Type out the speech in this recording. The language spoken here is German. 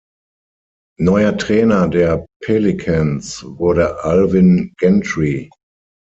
Neuer Trainer der Pelicans wurde Alvin Gentry.